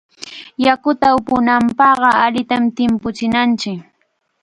Yakuta upunapaqqa allitam timpuchinanchik.